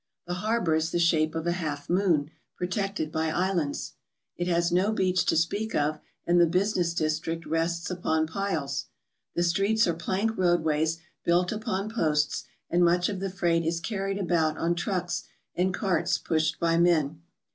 The harbour is the shape of a half moon protected by islands. It has no beach to speak of and the business district rests upon piles. The streets are plank roadways built upon posts, and much of the freight is carried about on trucks and carts pushed by men.